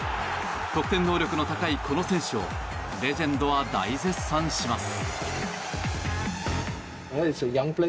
得点能力の高いこの選手をレジェンドは大絶賛します。